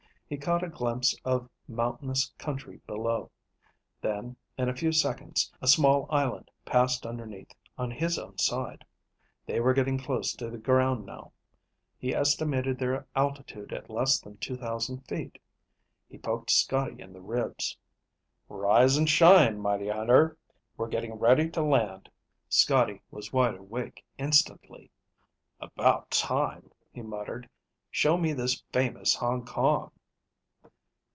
He caught a glimpse of mountainous country below. Then, in a few seconds, a small island passed underneath on his own side. They were getting close to the ground now. He estimated their altitude at less than two thousand feet. He poked Scotty in the ribs. "Rise and shine, mighty hunter. We're getting ready to land." Scotty was wide awake instantly. "About time," he muttered. "Show me this famous Hong Kong."